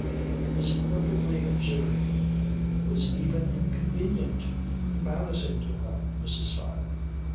It was perfectly absurd. It was even inconvenient, embarrassing to her Mrs. Fyne.